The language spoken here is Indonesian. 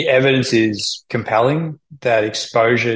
evidensi ini membuatkan kita mengalami eksposur